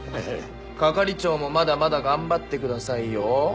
係長もまだまだ頑張ってくださいよ。